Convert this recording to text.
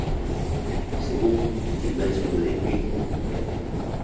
C’est bon, qu’il mette son bonnet de nuit.